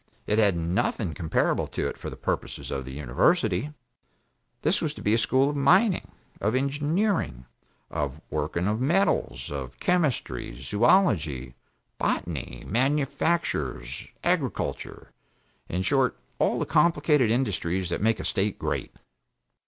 It had nothing comparable to it for the purposes of the University: This was to be a school of mining, of engineering, of the working of metals, of chemistry, zoology, botany, manufactures, agriculture, in short of all the complicated industries that make a state great.